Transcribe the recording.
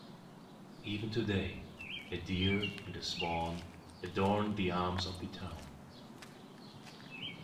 Even today, a deer and swan adorn the arms of the town.